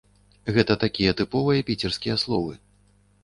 Гэта такія тыповыя піцерскія словы.